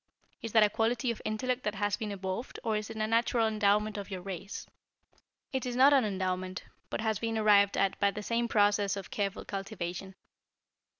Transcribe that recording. Is that a quality of intellect that has been evolved, or is it a natural endowment of your race?" "It is not an endowment, but has been arrived at by the same process of careful cultivation.